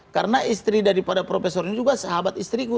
karena istri dari pada profesor ini juga sahabat istriku